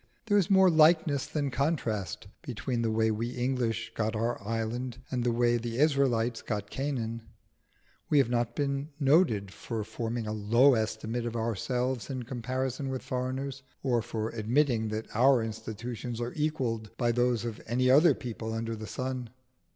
There is more likeness than contrast between the way we English got our island and the way the Israelites got Canaan. We have not been noted for forming a low estimate of ourselves in comparison with foreigners, or for admitting that our institutions are equalled by those of any other people under the sun.